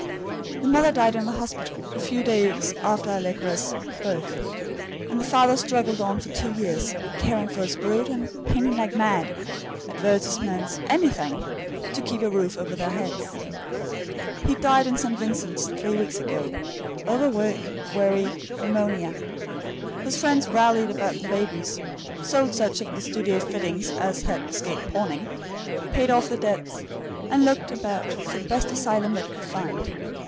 The mother died in the hospital a few days after Allegra's birth, and the father struggled on for two years, caring for his brood and painting like mad advertisements, anything to keep a roof over their heads. He died in St. Vincent's three weeks ago, overwork, worry, pneumonia. His friends rallied about the babies, sold such of the studio fittings as had escaped pawning, paid off the debts, and looked about for the best asylum they could find.